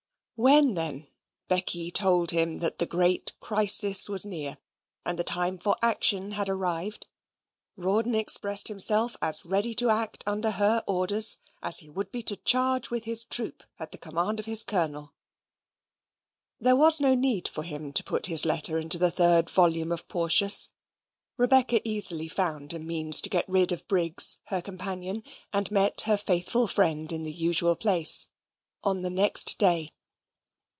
When, then, Becky told him that the great crisis was near, and the time for action had arrived, Rawdon expressed himself as ready to act under her orders, as he would be to charge with his troop at the command of his colonel. There was no need for him to put his letter into the third volume of Porteus. Rebecca easily found a means to get rid of Briggs, her companion, and met her faithful friend in "the usual place" on the next day.